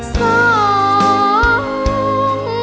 สอง